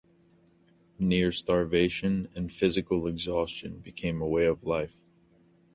Near-starvation and physical exhaustion became a way of life.